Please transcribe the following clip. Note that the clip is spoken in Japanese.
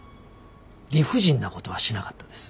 理不尽なことはしなかったです。